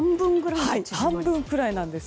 半分くらいなんです。